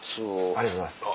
ありがとうございます。